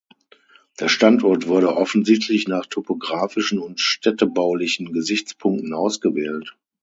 Der Standort wurde offensichtlich nach topografischen und städtebaulichen Gesichtspunkten ausgewählt.